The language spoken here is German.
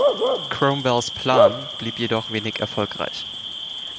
Cromwells Plan blieb jedoch wenig erfolgreich.